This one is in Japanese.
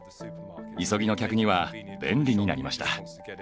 急ぎの客には便利になりました。